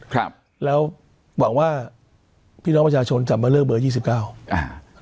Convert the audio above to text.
ครับแล้วหวังว่าพี่น้องประชาชนจะมาเลือกเบอร์ยี่สิบเก้าอ่า